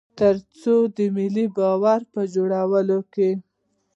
تر څو د ملي باور په جوړولو کې.